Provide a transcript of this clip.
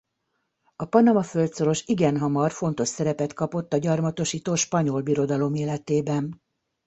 A panama-földszoros igen hamar fontos szerepet kapott a gyarmatosító Spanyol Birodalom életében.